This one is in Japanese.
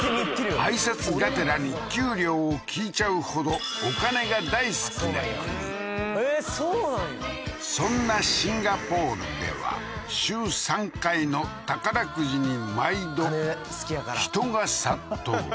挨拶がてらに給料を聞いちゃうほどへえーそうなんやそんなシンガポールでは週３回の宝くじに毎度人が殺到